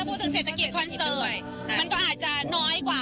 ก็ถือว่าครึ่งแบบนึงกินเลยนะคะ